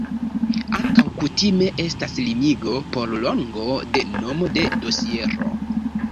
Ankaŭ kutime estas limigo por longo de nomo de dosiero.